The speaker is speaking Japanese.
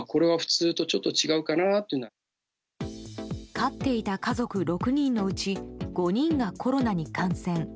飼っていた家族６人のうち５人がコロナに感染。